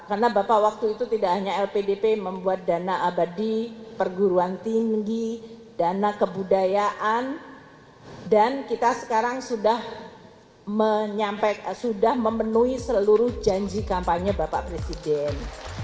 karena bapak waktu itu tidak hanya lpdp membuat dana abadi perguruan tinggi dana kebudayaan dan kita sekarang sudah memenuhi seluruh janji kampanye bapak presiden